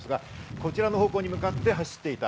こちらに向かって走っていった。